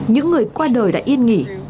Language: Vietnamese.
những người qua đời đã yên nghiệp